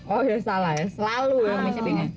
oh ya salah ya selalu ya syutingnya